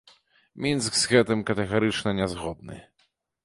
Мінск з гэтым катэгарычна не згодны.